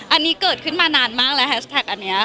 อันนี้เกิดขึ้นมานานมากแล้ว